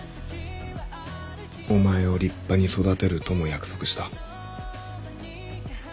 お前を立派に育てるとも約束した。